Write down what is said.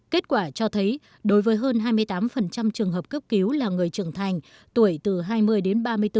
kết quả cho thấy đối với hơn hai mươi tám trường hợp cấp cứu là người trưởng thành tuổi từ hai mươi đến ba mươi bốn